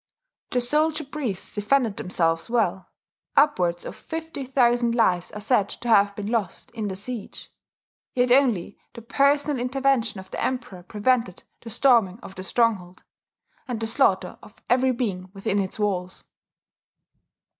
The soldier priests defended themselves well; upwards of fifty thousand lives are said to have been lost in the siege; yet only the personal intervention of the Emperor prevented the storming of the stronghold, and the slaughter of every being within its walls.